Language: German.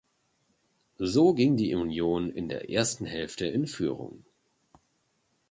So ging die Union in der ersten Hälfte in Führung.